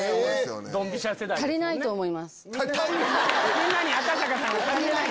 みんなに赤坂さんが足りない？